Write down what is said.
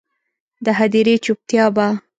د هدیرې چوپتیا به،